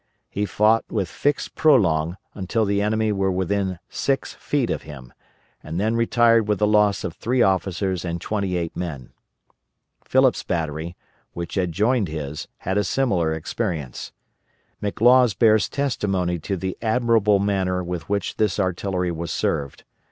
He fought with fixed prolonge until the enemy were within six feet of him, and then retired with the loss of three officers and twenty eight men. Phillips' battery, which adjoined his, had a similar experience. McLaws bears testimony to the admirable manner with which this artillery was served.